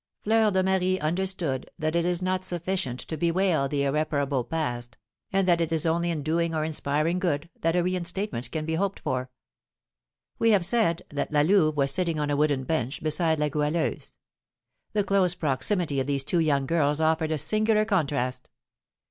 Fleur de Marie understood that it is not sufficient to bewail the irreparable past, and that it is only in doing or inspiring good that a reinstatement can be hoped for. We have said that La Louve was sitting on a wooden bench, beside La Goualeuse. The close proximity of these two young girls offered a singular contrast.